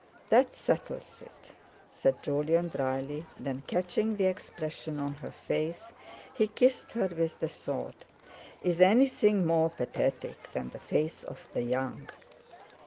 "That settles it," said Jolyon dryly, then catching the expression on her face, he kissed her, with the thought: "Is anything more pathetic than the faith of the young?"